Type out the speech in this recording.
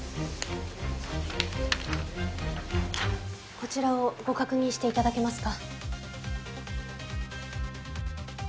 こちらをご確認していただけますか？